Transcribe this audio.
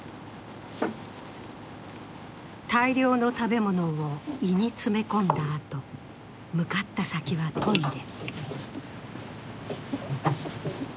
大量の食べ物を胃に詰め込んだあと、向かった先はトイレ。